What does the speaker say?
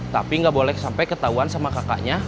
tapi nggak boleh sampai ketahuan sama kakaknya